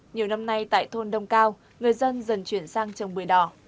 nhiều năm nay tại thôn đông cao người dân dần chuyển sang trồng bưởi đỏ